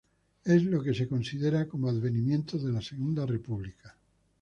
Es lo que se considera como advenimiento de la segunda república.